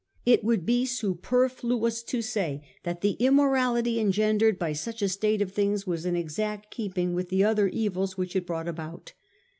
It would be superfluous to say that the im morality engendered by such a state of things was in exact keeping with the other evils which it brought about.